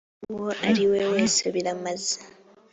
uwo ari we wese biramaze.